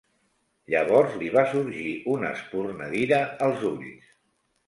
Llavors li va sorgir una espurna d'ira als ulls.